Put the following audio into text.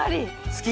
好き？